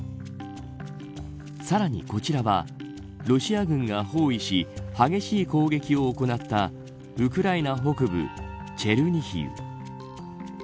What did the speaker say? さらにこちらはロシア軍が包囲し激しい攻撃を行ったウクライナ北部チェルニヒウ。